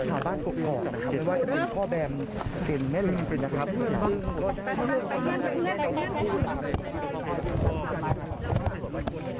หลังจากที่สุดยอดเย็นหลังจากที่สุดยอดเย็น